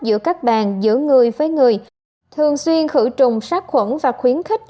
giữa các bàn giữa người với người thường xuyên khử trùng sát khuẩn và khuyến khích